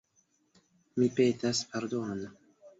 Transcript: Mi petas pardonon.